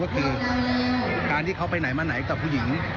๓เฆินทางพวกผู้หญิง